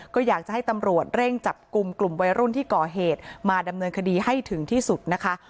ก็อยากจะให้ตำรวจเร่งจับกลุ่มกลุ่มวัยรุ่นที่ก่อเหตุมาดำเนินคดีให้ถึงที่สุดนะคะ